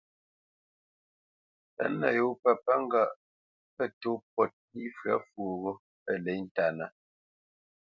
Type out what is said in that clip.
Pə̌t nə yó pə̂ pə́ ŋgâʼ pə tó pôt nî fyə̌ fwoghó pə lê ntánə́.